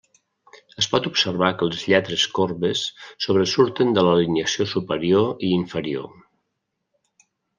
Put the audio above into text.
Es pot observar que les lletres corbes sobresurten de l'alineació superior i inferior.